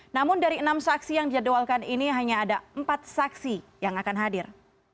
namun dari enam saksi yang dijadwalkan ini hanya ada empat saksi yang akan hadir